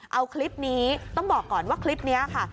เอาคลิปนี้ต้องบอกก่อนว่าคลิปนี้ค่ะ